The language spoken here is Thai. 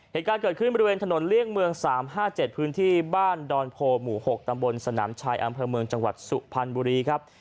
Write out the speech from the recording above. เหตุการณ์เกิดขึ้นบริเวณถนนเลี่ยงเมือง๓๕๗พื้นที่บ้านดอนโพหมู่๖ตำบลสนามชายอำเภอเมืองจังหวัดสุพรรณบุรีครับ